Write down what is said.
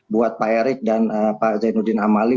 buat pak erik dan pak zainuddin amali